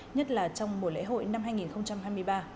nhất là trong mùa lễ hội năm hai nghìn hai mươi ba